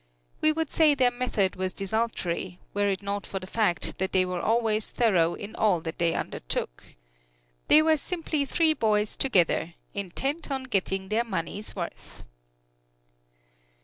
We would say their method was desultory, were it not for the fact that they were always thorough in all that they undertook. They were simply three boys together, intent on getting their money's worth.